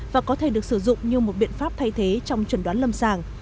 và có thể được sử dụng như một biện pháp thay thế trong chuẩn đoán lâm sàng